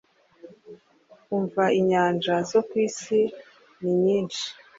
Umva inyanja zo kwisi ninyinshi